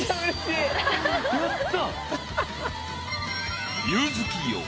やった。